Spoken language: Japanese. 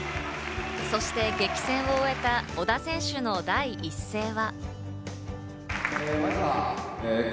そして激戦を終えた小田選手の第一声は。